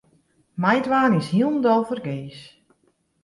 Meidwaan is hielendal fergees.